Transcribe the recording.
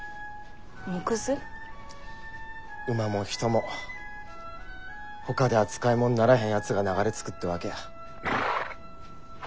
馬も人もほかでは使いもんにならへんやつらが流れつくってわけや。